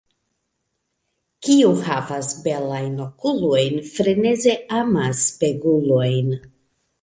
Kiu havas belajn okulojn, freneze amas spegulojn.